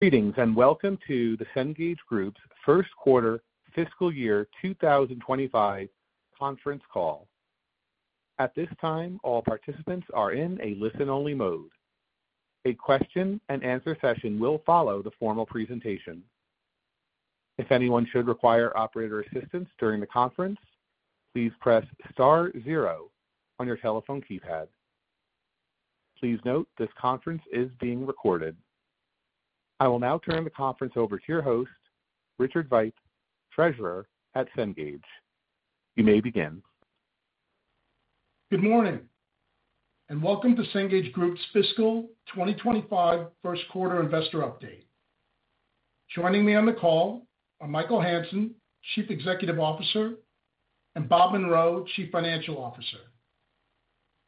Greetings, and welcome to the Cengage Group's first quarter fiscal year 2025 conference call. At this time, all participants are in a listen-only mode. A question and answer session will follow the formal presentation. If anyone should require operator assistance during the conference, please press star zero on your telephone keypad. Please note, this conference is being recorded. I will now turn the conference over to your host, Richard Veith, Treasurer at Cengage. You may begin. Good morning, and welcome to Cengage Group's fiscal 2025 first quarter investor update. Joining me on the call are Michael Hansen, Chief Executive Officer, and Bob Munro, Chief Financial Officer.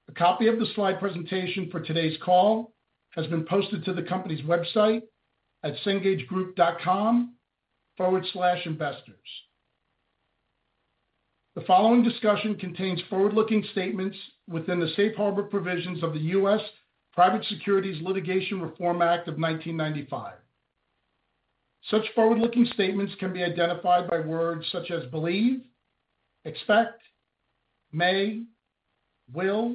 A copy of the slide presentation for today's call has been posted to the company's website at cengagegroup.com/investors. The following discussion contains forward-looking statements within the safe harbor provisions of the U.S. Private Securities Litigation Reform Act of 1995. Such forward-looking statements can be identified by words such as believe, expect, may, will,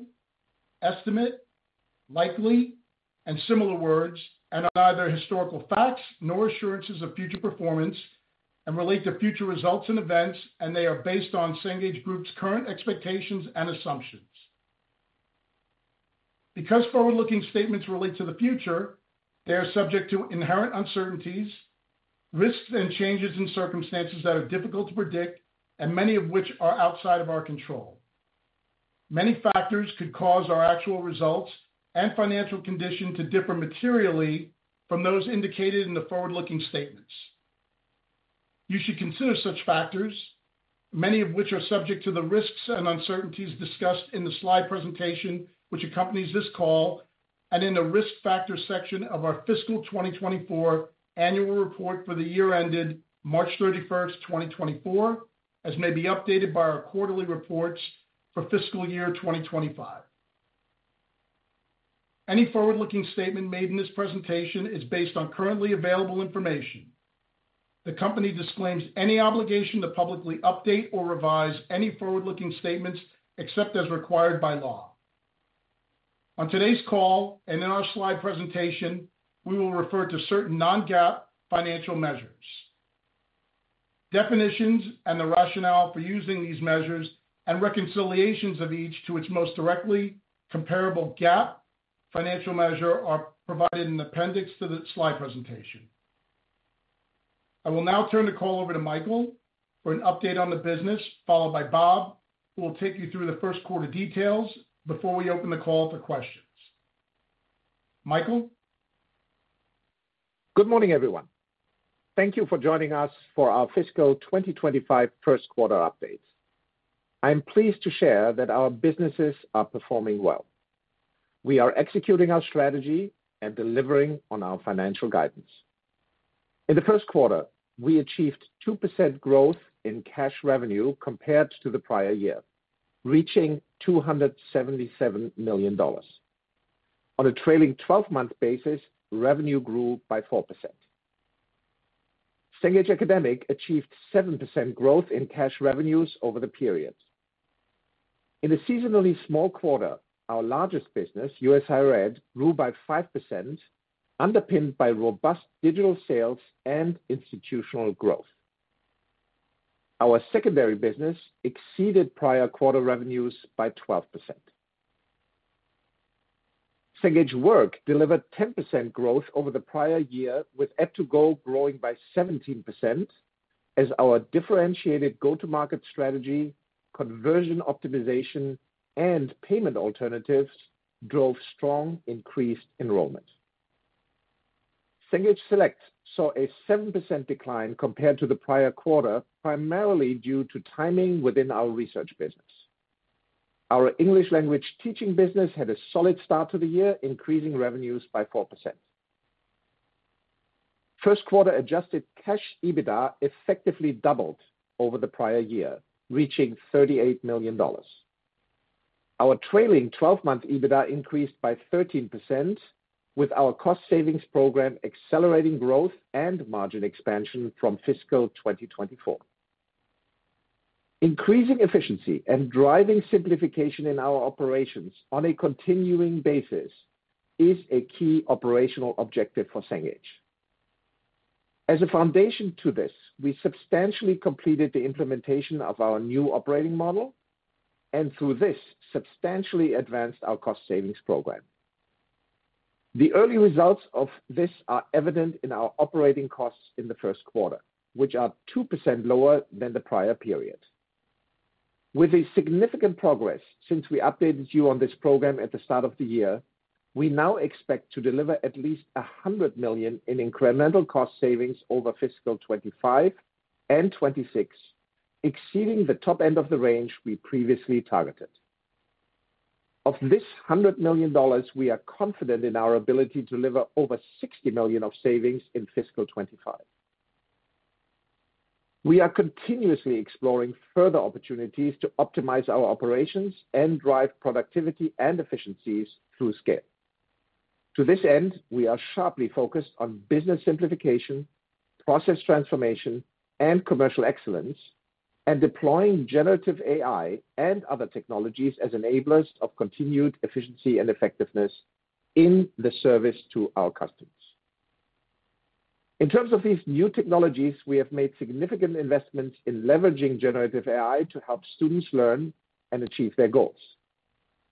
estimate, likely, and similar words, and are neither historical facts nor assurances of future performance and relate to future results and events, and they are based on Cengage Group's current expectations and assumptions. Because forward-looking statements relate to the future, they are subject to inherent uncertainties, risks, and changes in circumstances that are difficult to predict, and many of which are outside of our control. Many factors could cause our actual results and financial condition to differ materially from those indicated in the forward-looking statements. You should consider such factors, many of which are subject to the risks and uncertainties discussed in the slide presentation which accompanies this call, and in the Risk Factors section of our fiscal 2024 annual report for the year ended March 31, 2024, as may be updated by our quarterly reports for fiscal year 2025. Any forward-looking statement made in this presentation is based on currently available information. The company disclaims any obligation to publicly update or revise any forward-looking statements, except as required by law. On today's call, and in our slide presentation, we will refer to certain non-GAAP financial measures. Definitions and the rationale for using these measures and reconciliations of each to its most directly comparable GAAP financial measure are provided in appendix to the slide presentation. I will now turn the call over to Michael for an update on the business, followed by Bob, who will take you through the first quarter details before we open the call to questions. Michael? Good morning, everyone. Thank you for joining us for our fiscal 2025 first quarter update. I'm pleased to share that our businesses are performing well. We are executing our strategy and delivering on our financial guidance. In the first quarter, we achieved 2% growth in cash revenue compared to the prior-year, reaching $277 million. On a trailing 12-month basis, revenue grew by 4%. Cengage Academic achieved 7% growth in cash revenues over the period. In a seasonally small quarter, our largest business, U.S. Higher Ed, grew by 5%, underpinned by robust digital sales and institutional growth. Our Secondary business exceeded prior-quarter revenues by 12%. Cengage Work delivered 10% growth over the prior-year, with ed2go growing by 17%, as our differentiated go-to-market strategy, conversion optimization, and payment alternatives drove strong increased enrollment. Cengage Select saw a 7% decline compared to the prior-quarter, primarily due to timing within our Research business. Our English Language Teaching business had a solid start to the year, increasing revenues by 4%. First quarter adjusted cash EBITDA effectively doubled over the prior-year, reaching $38 million. Our trailing 12-month EBITDA increased by 13%, with our cost savings program accelerating growth and margin expansion from fiscal 2024. Increasing efficiency and driving simplification in our operations on a continuing basis is a key operational objective for Cengage. As a foundation to this, we substantially completed the implementation of our new operating model, and through this, substantially advanced our cost savings program. The early results of this are evident in our operating costs in the first quarter, which are 2% lower than the prior-period. With a significant progress since we updated you on this program at the start of the year, we now expect to deliver at least $100 million in incremental cost savings over fiscal 2025 and 2026, exceeding the top end of the range we previously targeted. Of this $100 million, we are confident in our ability to deliver over $60 million of savings in fiscal 2025. We are continuously exploring further opportunities to optimize our operations and drive productivity and efficiencies through scale. To this end, we are sharply focused on business simplification, process transformation, and commercial excellence, and deploying generative AI and other technologies as enablers of continued efficiency and effectiveness in the service to our customers. In terms of these new technologies, we have made significant investments in leveraging generative AI to help students learn and achieve their goals.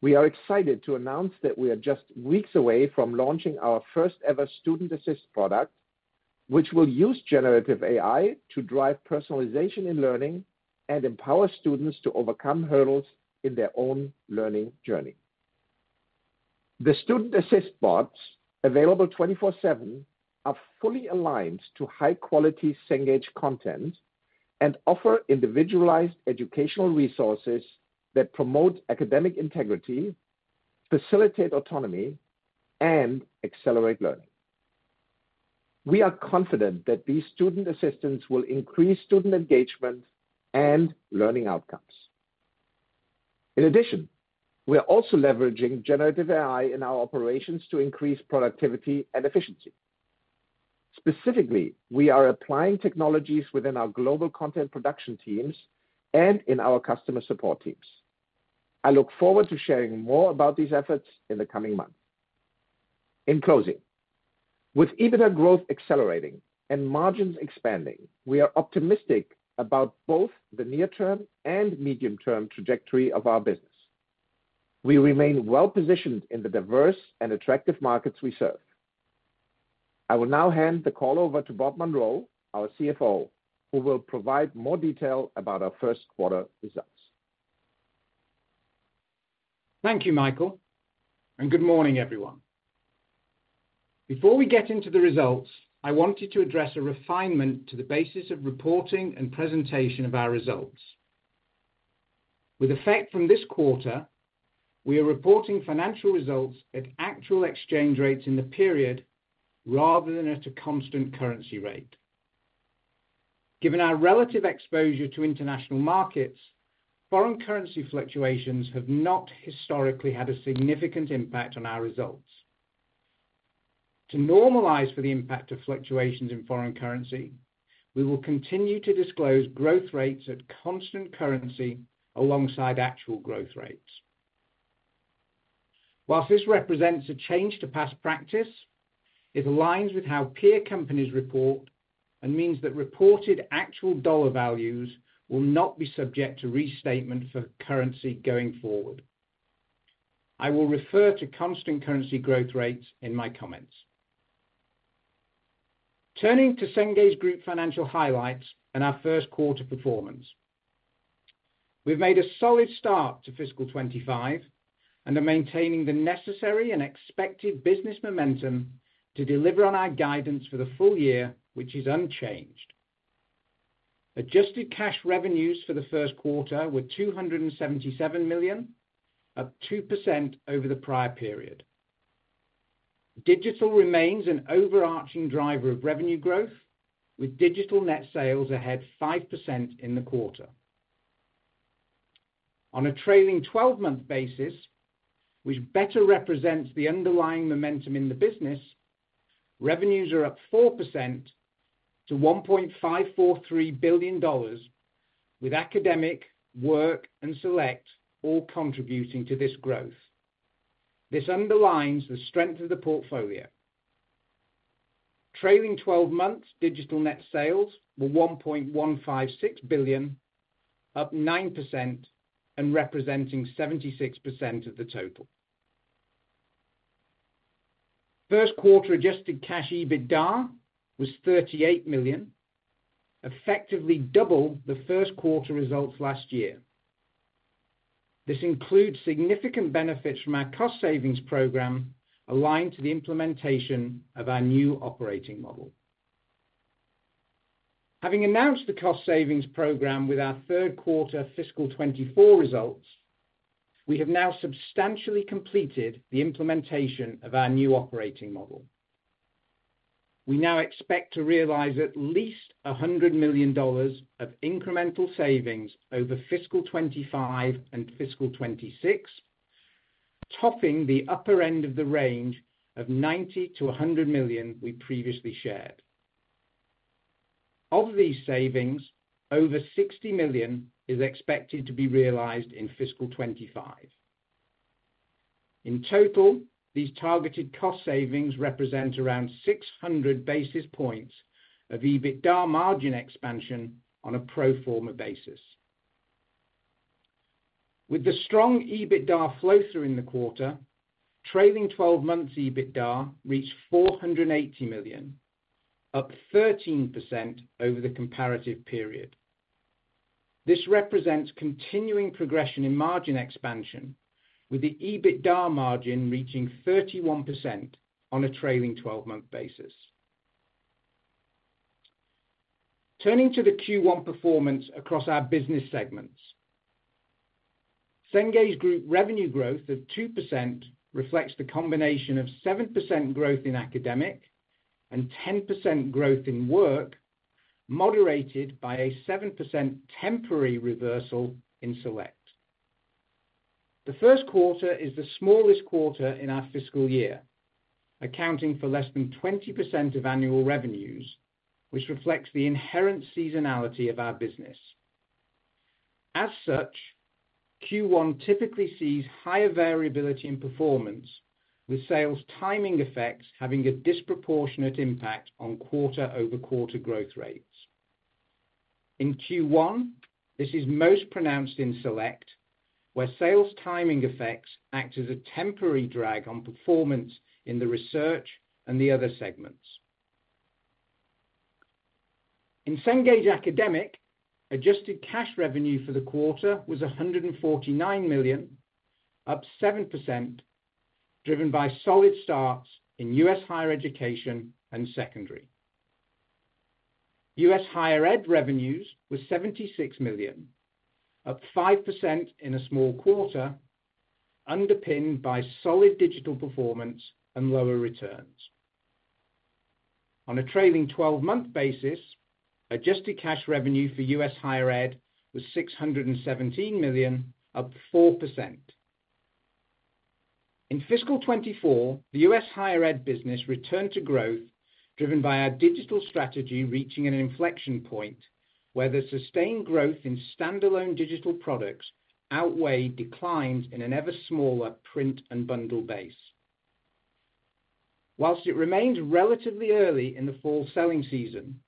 We are excited to announce that we are just weeks away from launching our first-ever student assist product, which will use generative AI to drive personalization in learning and empower students to overcome hurdles in their own learning journey. The student assist bots, available 24/7, are fully aligned to high-quality Cengage content and offer individualized educational resources that promote academic integrity, facilitate autonomy, and accelerate learning. We are confident that these student assistants will increase student engagement and learning outcomes. In addition, we are also leveraging generative AI in our operations to increase productivity and efficiency. Specifically, we are applying technologies within our global content production teams and in our customer support teams. I look forward to sharing more about these efforts in the coming months. In closing, with EBITDA growth accelerating and margins expanding, we are optimistic about both the near-term and medium-term trajectory of our business. We remain well-positioned in the diverse and attractive markets we serve. I will now hand the call over to Bob Munro, our CFO, who will provide more detail about our first quarter results. Thank you, Michael, and good morning, everyone. Before we get into the results, I wanted to address a refinement to the basis of reporting and presentation of our results. With effect from this quarter, we are reporting financial results at actual exchange rates in the period, rather than at a constant currency rate. Given our relative exposure to international markets, foreign currency fluctuations have not historically had a significant impact on our results. To normalize for the impact of fluctuations in foreign currency, we will continue to disclose growth rates at constant currency alongside actual growth rates. While this represents a change to past practice, it aligns with how peer companies report and means that reported actual dollar values will not be subject to restatement for currency going forward. I will refer to constant currency growth rates in my comments. Turning to Cengage Group financial highlights and our first quarter performance. We've made a solid start to fiscal 2025 and are maintaining the necessary and expected business momentum to deliver on our guidance for the full year, which is unchanged. Adjusted cash revenues for the first quarter were $277 million, up 2% over the prior-period. Digital remains an overarching driver of revenue growth, with digital net sales ahead 5% in the quarter. On a trailing 12-month basis, which better represents the underlying momentum in the business, revenues are up 4% to $1.543 billion, with Academic, Work, and Select all contributing to this growth. This underlines the strength of the portfolio. Trailing 12-month, digital net sales were $1.156 billion, up 9%, and representing 76% of the total. First quarter Adjusted Cash EBITDA was $38 million, effectively double the first quarter results last year. This includes significant benefits from our cost savings program, aligned to the implementation of our new operating model. Having announced the cost savings program with our third quarter fiscal 2024 results, we have now substantially completed the implementation of our new operating model. We now expect to realize at least $100 million of incremental savings over fiscal 2025 and fiscal 2026, topping the upper end of the range of $90 million-$100 million we previously shared. Of these savings, over $60 million is expected to be realized in fiscal 2025. In total, these targeted cost savings represent around 600 basis points of EBITDA margin expansion on a pro forma basis. With the strong EBITDA flow through in the quarter, trailing 12-month EBITDA reached $480 million, up 13% over the comparative period. This represents continuing progression in margin expansion, with the EBITDA margin reaching 31% on a trailing 12-month basis. Turning to the Q1 performance across our business segments. Cengage Group revenue growth of 2% reflects the combination of 7% growth in Academic, and 10% growth in Work, moderated by a 7% temporary reversal in Select. The first quarter is the smallest quarter in our fiscal year, accounting for less than 20% of annual revenues, which reflects the inherent seasonality of our business. As such, Q1 typically sees higher variability in performance, with sales timing effects having a disproportionate impact on quarter-over-quarter growth rates. In Q1, this is most pronounced in Select, where sales timing effects act as a temporary drag on performance in the Research and the other segments. In Cengage Academic, adjusted cash revenue for the quarter was $149 million, up 7%, driven by solid U.S. Higher Ed revenues were $76 million, up 5% in a small quarter, underpinned by solid digital performance and lower returns. On a trailing twelve-month basis, adjusted cash U.S. Higher Ed was $617 million, up 4%. In fiscal U.S. Higher Ed business returned to growth, driven by our digital strategy reaching an inflection point, where the sustained growth in standalone digital products outweighed declines in an ever-smaller print and bundle base. While it remains relatively early in the fall selling season,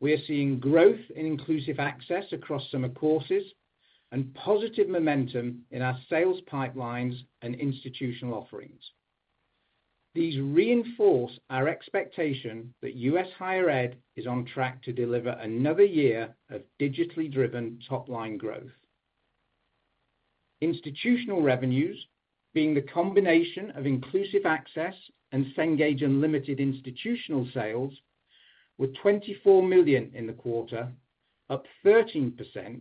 we are seeing growth in Inclusive Access across summer courses and positive momentum in our sales pipelines and institutional offerings. These reinforce our U.S. Higher Ed is on track to deliver another year of digitally driven top-line growth. Institutional revenues, being the combination of Inclusive Access and Cengage Unlimited institutional sales, were $24 million in the quarter, up 13%,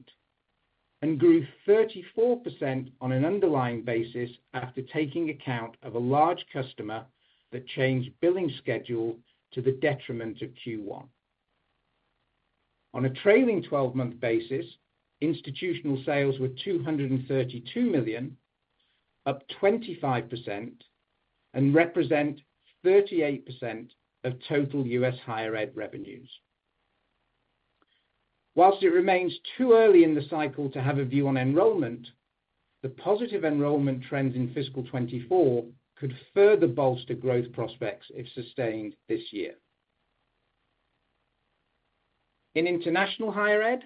and grew 34% on an underlying basis after taking account of a large customer that changed billing schedule to the detriment of Q1. On a trailing twelve-month basis, institutional sales were $232 million, up 25%, and represent 38% total U.S. Higher Ed revenues. While it remains too early in the cycle to have a view on enrollment, the positive enrollment trends in fiscal 2024 could further bolster growth prospects if sustained this year. In International Higher Ed,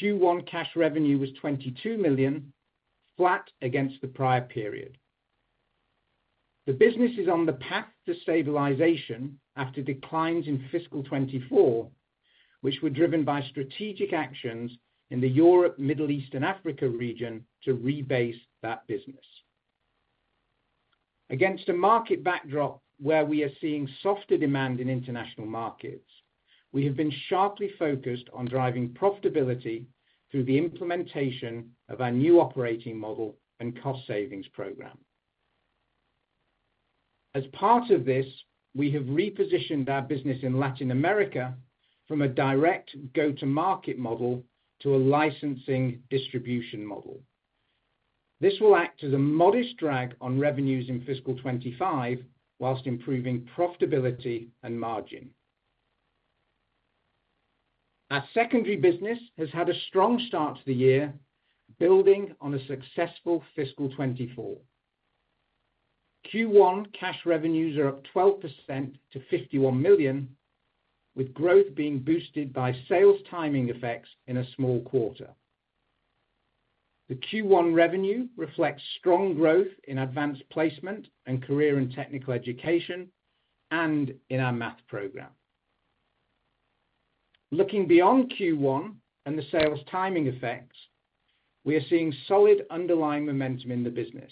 Q1 cash revenue was $22 million, flat against the prior-period. The business is on the path to stabilization after declines in fiscal 2024, which were driven by strategic actions in the Europe, Middle East, and Africa region to rebase that business. Against a market backdrop where we are seeing softer demand in international markets, we have been sharply focused on driving profitability through the implementation of our new operating model and cost savings program. As part of this, we have repositioned our business in Latin America from a direct go-to-market model to a licensing distribution model. This will act as a modest drag on revenues in fiscal 2025, while improving profitability and margin. Our Secondary business has had a strong start to the year, building on a successful fiscal 2024. Q1 cash revenues are up 12% to $51 million, with growth being boosted by sales timing effects in a small quarter. The Q1 revenue reflects strong growth in Advanced Placement and Career and Technical Education, and in our math program. Looking beyond Q1 and the sales timing effects, we are seeing solid underlying momentum in the business.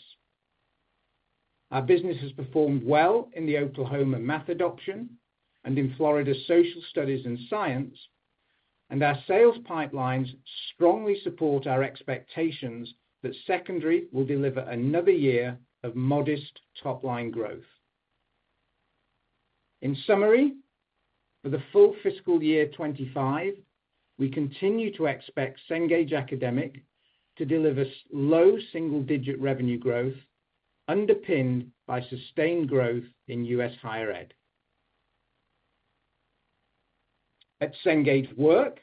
Our business has performed well in the Oklahoma Math Adoption and in Florida Social Studies and Science, and our sales pipelines strongly support our expectations that Secondary will deliver another year of modest top-line growth. In summary, for the full fiscal year 2025, we continue to expect Cengage Academic to deliver low single-digit revenue growth, underpinned by sustained growth in U.S. Higher Ed. At Cengage Work,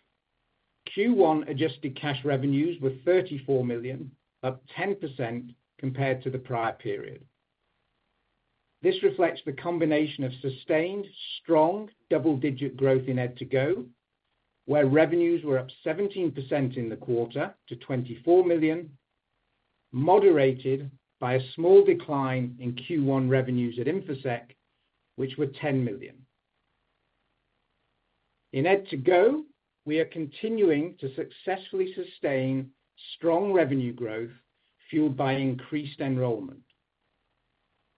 Q1 adjusted cash revenues were $34 million, up 10% compared to the prior-period. This reflects the combination of sustained, strong, double-digit growth in ed2go, where revenues were up 17% in the quarter to $24 million, moderated by a small decline in Q1 revenues at Infosec, which were $10 million. In ed2go, we are continuing to successfully sustain strong revenue growth, fueled by increased enrollment.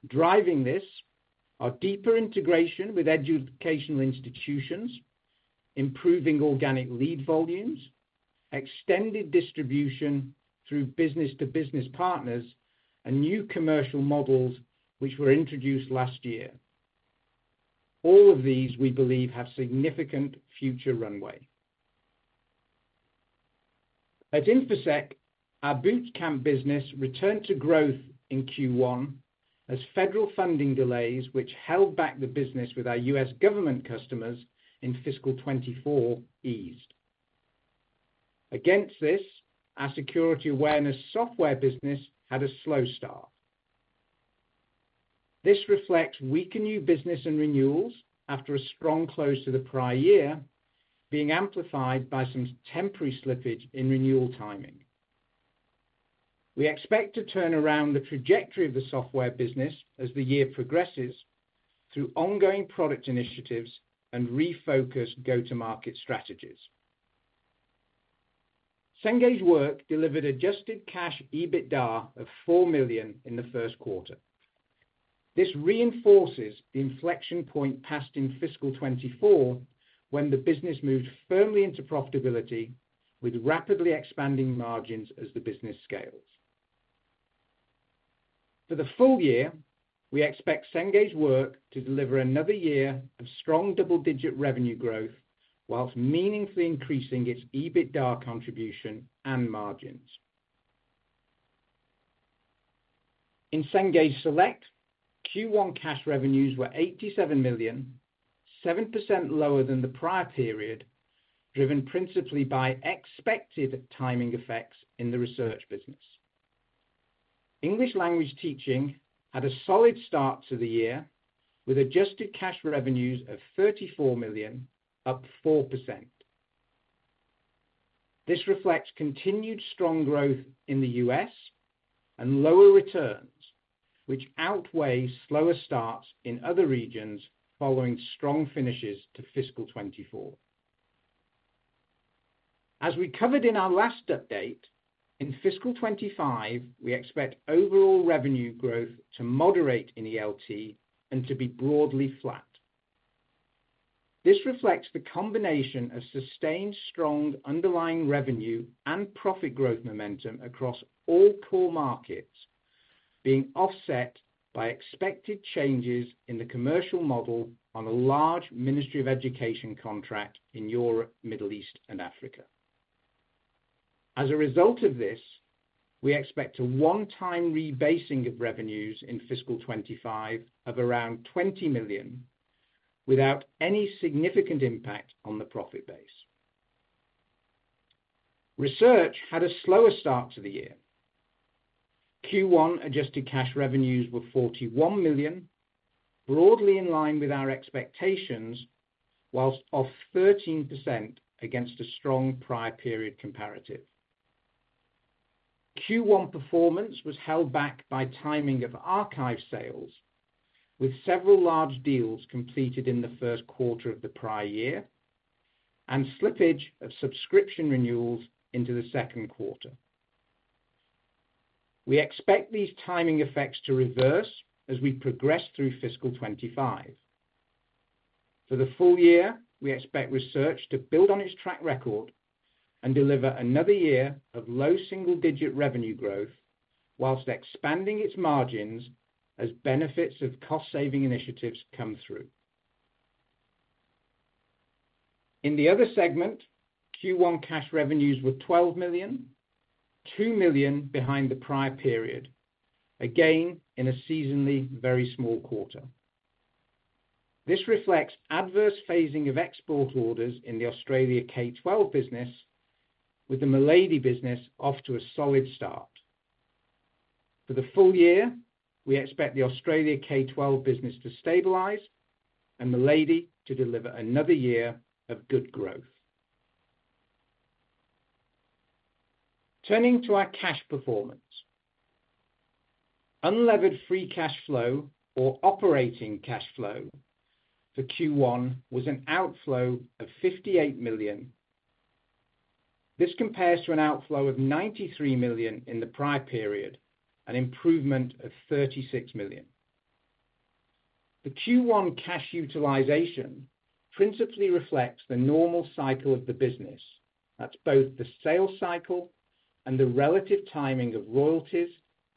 Driving this are deeper integration with educational institutions, improving organic lead volumes, extended distribution through business-to-business partners, and new commercial models which were introduced last year. All of these, we believe, have significant future runway. At Infosec, our boot camp business returned to growth in Q1 as federal funding delays, which held back the business with our U.S. Government customers in fiscal 2024, eased. Against this, our security awareness software business had a slow start. This reflects weakened new business and renewals after a strong close to the prior-year, being amplified by some temporary slippage in renewal timing. We expect to turn around the trajectory of the software business as the year progresses, through ongoing product initiatives and refocused go-to-market strategies. Cengage Work delivered adjusted cash EBITDA of $4 million in the first quarter. This reinforces the inflection point passed in fiscal 2024, when the business moved firmly into profitability, with rapidly expanding margins as the business scales. For the full year, we expect Cengage Work to deliver another year of strong double-digit revenue growth, whilst meaningfully increasing its EBITDA contribution and margins. In Cengage Select, Q1 cash revenues were $87 million, 7% lower than the prior-period, driven principally by expected timing effects in the Research business. English Language Teaching had a solid start to the year, with adjusted cash revenues of $34 million, up 4%. This reflects continued strong growth in the U.S. and lower returns, which outweigh slower starts in other regions following strong finishes to fiscal 2024. As we covered in our last update, in fiscal 2025, we expect overall revenue growth to moderate in ELT and to be broadly flat. This reflects the combination of sustained, strong, underlying revenue and profit growth momentum across all core markets, being offset by expected changes in the commercial model on a large Ministry of Education contract in Europe, Middle East, and Africa. As a result of this, we expect a one-time rebasing of revenues in fiscal 2025 of around $20 million, without any significant impact on the profit base. Research had a slower start to the year. Q1 Adjusted Cash Revenues were $41 million, broadly in line with our expectations, while off 13% against a strong prior-period comparative. Q1 performance was held back by timing of our K-12 sales, with several large deals completed in the first quarter of the prior-year, and slippage of subscription renewals into the second quarter. We expect these timing effects to reverse as we progress through fiscal 2025. For the full year, we expect Research to build on its track record and deliver another year of low single-digit revenue growth, while expanding its margins as benefits of cost-saving initiatives come through. In the Other segment, Q1 cash revenues were $12 million, $2 million behind the prior-period, again, in a seasonally very small quarter. This reflects adverse phasing of export orders in the Australia K-12 business, with the Milady business off to a solid start. For the full year, we expect the Australia K-12 business to stabilize and Milady to deliver another year of good growth. Turning to our cash performance. Unlevered free cash flow or operating cash flow for Q1 was an outflow of $58 million. This compares to an outflow of $93 million in the prior-period, an improvement of $36 million. The Q1 cash utilization principally reflects the normal cycle of the business. That's both the sales cycle and the relative timing of royalties,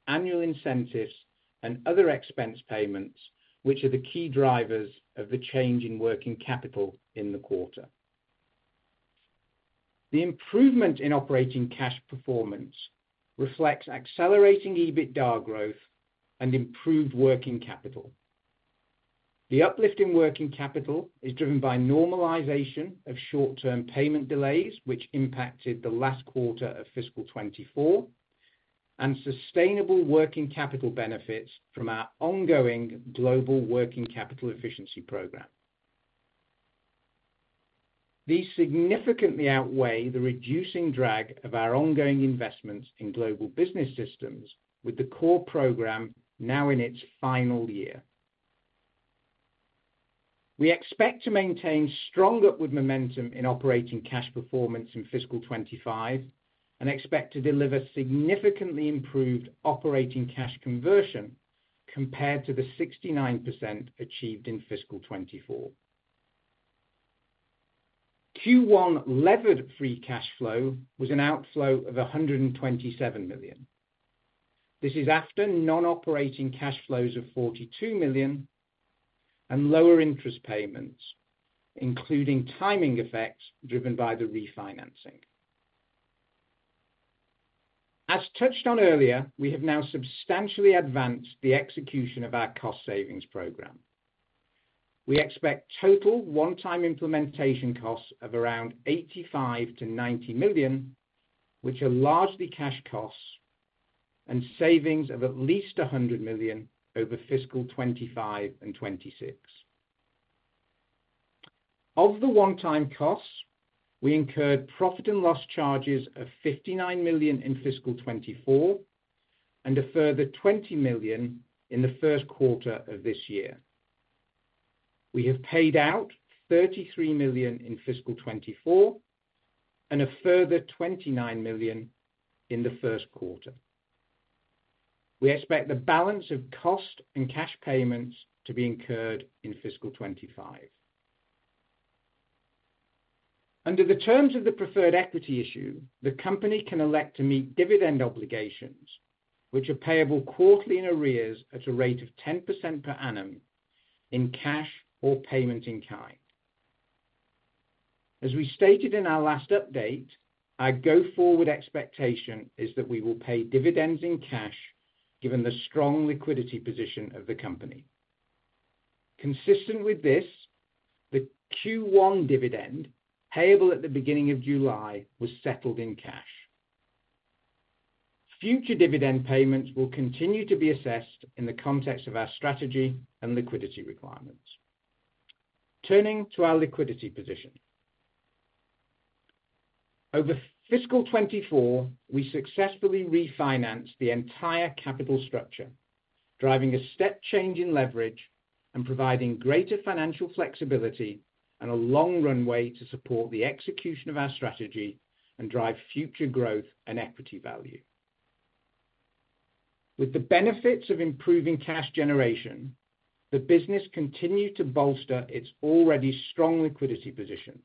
annual incentives, and other expense payments, which are the key drivers of the change in working capital in the quarter. The improvement in operating cash performance reflects accelerating EBITDA growth and improved working capital. The uplift in working capital is driven by normalization of short-term payment delays, which impacted the last quarter of fiscal 2024, and sustainable working capital benefits from our ongoing global working capital efficiency program. These significantly outweigh the reducing drag of our ongoing investments in global business systems, with the core program now in its final year. We expect to maintain strong upward momentum in operating cash performance in fiscal 2025, and expect to deliver significantly improved operating cash conversion compared to the 69% achieved in fiscal 2024. Q1 levered free cash flow was an outflow of $127 million. This is after non-operating cash flows of $42 million and lower interest payments, including timing effects driven by the refinancing. As touched on earlier, we have now substantially advanced the execution of our cost savings program. We expect total one-time implementation costs of around $85 million-$90 million, which are largely cash costs, and savings of at least $100 million over fiscal 2025 and 2026. Of the one-time costs, we incurred profit and loss charges of $59 million in fiscal 2024, and a further $20 million in the first quarter of this year. We have paid out $33 million in fiscal 2024, and a further $29 million in the first quarter. We expect the balance of cost and cash payments to be incurred in fiscal 2025. Under the terms of the preferred equity issue, the company can elect to meet dividend obligations, which are payable quarterly in arrears at a rate of 10% per annum in cash or payment in kind. As we stated in our last update, our go-forward expectation is that we will pay dividends in cash, given the strong liquidity position of the company. Consistent with this, the Q1 dividend, payable at the beginning of July, was settled in cash. Future dividend payments will continue to be assessed in the context of our strategy and liquidity requirements. Turning to our liquidity position. Over fiscal 2024, we successfully refinanced the entire capital structure, driving a step change in leverage and providing greater financial flexibility and a long runway to support the execution of our strategy and drive future growth and equity value. With the benefits of improving cash generation, the business continued to bolster its already strong liquidity position.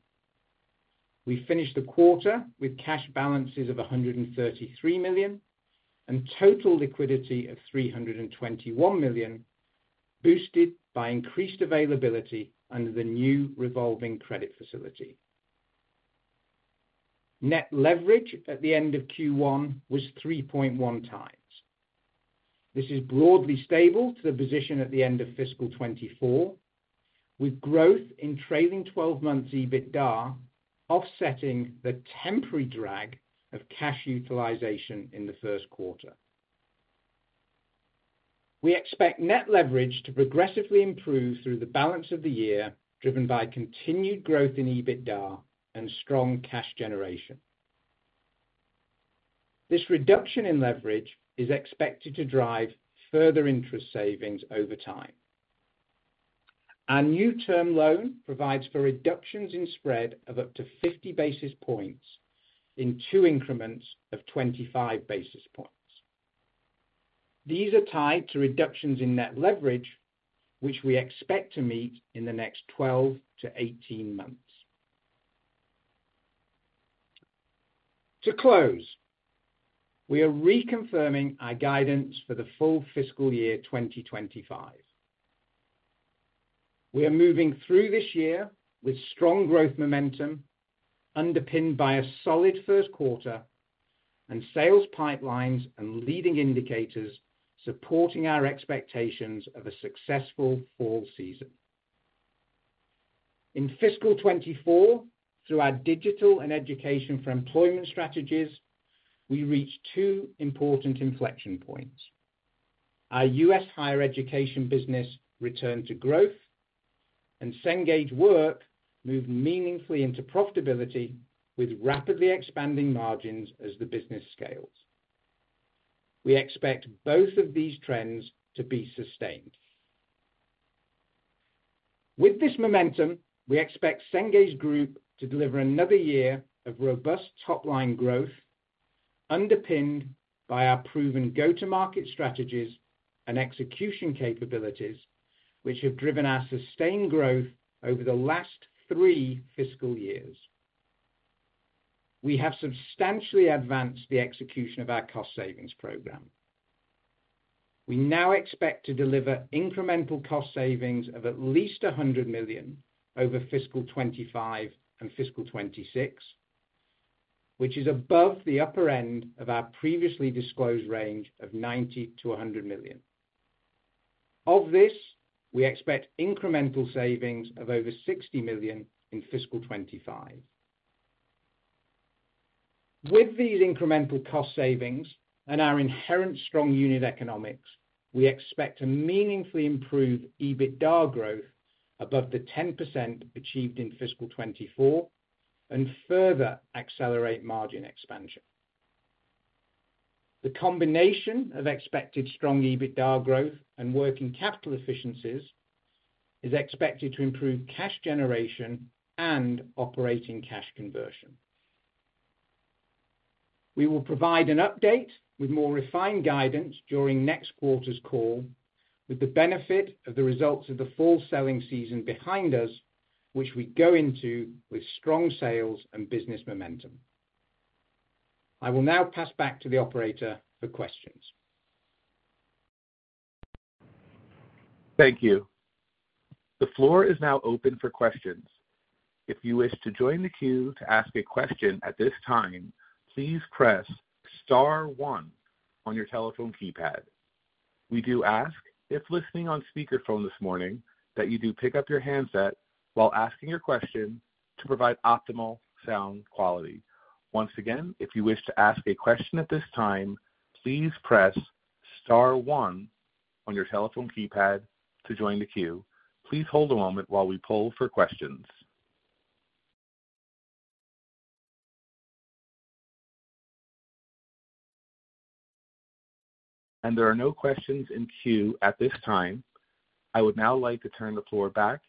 We finished the quarter with cash balances of $133 million, and total liquidity of $321 million, boosted by increased availability under the new revolving credit facility. Net leverage at the end of Q1 was 3.1x. This is broadly stable to the position at the end of fiscal 2024, with growth in trailing 12-month EBITDA offsetting the temporary drag of cash utilization in the first quarter. We expect net leverage to progressively improve through the balance of the year, driven by continued growth in EBITDA and strong cash generation. This reduction in leverage is expected to drive further interest savings over time. Our new term loan provides for reductions in spread of up to 50 basis points in two increments of 25 basis points. These are tied to reductions in net leverage, which we expect to meet in the next 12-18 months. To close, we are reconfirming our guidance for the full fiscal year 2025. We are moving through this year with strong growth momentum, underpinned by a solid first quarter, and sales pipelines and leading indicators supporting our expectations of a successful fall season. In fiscal 2024, through our digital and education for employment strategies, we reached two important inflection points: Our U.S. Higher Education business returned to growth, and Cengage Work moved meaningfully into profitability with rapidly expanding margins as the business scales. We expect both of these trends to be sustained. With this momentum, we expect Cengage Group to deliver another year of robust top-line growth, underpinned by our proven go-to-market strategies and execution capabilities, which have driven our sustained growth over the last three fiscal years. We have substantially advanced the execution of our cost savings program. We now expect to deliver incremental cost savings of at least $100 million over fiscal 2025 and fiscal 2026, which is above the upper end of our previously disclosed range of $90 million-$100 million. Of this, we expect incremental savings of over $60 million in fiscal 2025. With these incremental cost savings and our inherent strong unit economics, we expect to meaningfully improve EBITDA growth above the 10% achieved in fiscal 2024, and further accelerate margin expansion. The combination of expected strong EBITDA growth and working capital efficiencies is expected to improve cash generation and operating cash conversion. We will provide an update with more refined guidance during next quarter's call, with the benefit of the results of the fall selling season behind us, which we go into with strong sales and business momentum. I will now pass back to the operator for questions. Thank you. The floor is now open for questions. If you wish to join the queue to ask a question at this time, please press star one on your telephone keypad. We do ask, if listening on speakerphone this morning, that you do pick up your handset while asking your question to provide optimal sound quality. Once again, if you wish to ask a question at this time, please press star one on your telephone keypad to join the queue. Please hold a moment while we poll for questions. There are no questions in queue at this time. I would now like to turn the floor back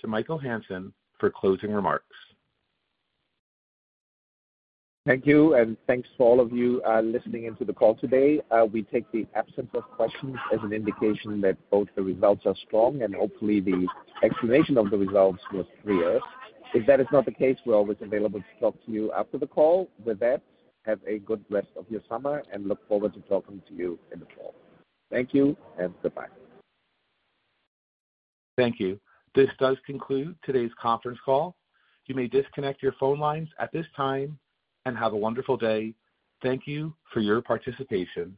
to Michael Hansen for closing remarks. Thank you, and thanks to all of you, listening into the call today. We take the absence of questions as an indication that both the results are strong and hopefully the explanation of the results was clear. If that is not the case, we're always available to talk to you after the call. With that, have a good rest of your summer and look forward to talking to you in the fall. Thank you, and goodbye. Thank you. This does conclude today's conference call. You may disconnect your phone lines at this time, and have a wonderful day. Thank you for your participation.